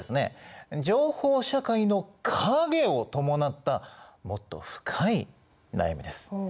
「情報社会の影」を伴ったもっと深い悩みです。